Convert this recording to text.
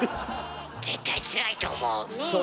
絶対つらいと思う。